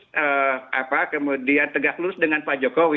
lulus apa kemudian tegak lurus dengan pak jokowi